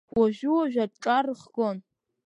Уажәы-уажәы аҿҿа рыхгон.